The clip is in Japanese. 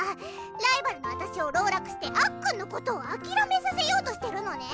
ライバルの私を籠絡してあっくんのことを諦めさせようとしてるのね？